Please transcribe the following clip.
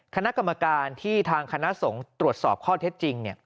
คณะกรรมการที่ทางคณะสงฆ์ตรวจสอบข้อเท็จจริง